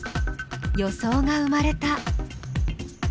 予想が生まれた。